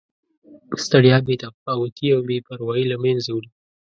ستړیا، بې تفاوتي او بې پروایي له مینځه وړي.